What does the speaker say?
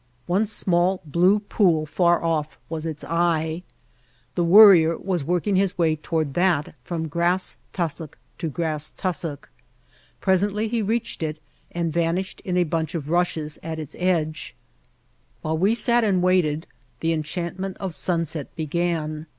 One small blue pool far off was its eye. The Worrier was working his way toward that from grass tussock to grass tussock. Presently he reached it and vanished in a bunch of rushes at its edge. While we sat and waited the enchantment of sunset began.